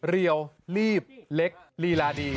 เรียวลีบเล็กลีลาดี